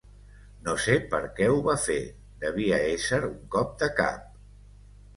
No sé per què ho va fer, devia ésser un cop de cap.